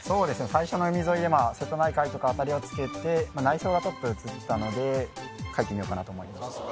最初の海沿いで瀬戸内海とか当たりをつけて内装がちょっと映ったので書いてみようかなと思いました